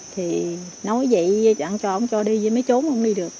thì nói vậy chẳng cho ông cho đi mới trốn ông đi được